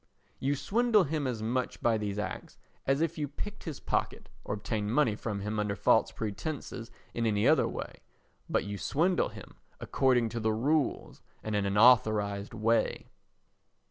You swindle him as much by these acts as if you picked his pocket, or obtained money from him under false pretences in any other way; but you swindle him according to the rules and in an authorised way.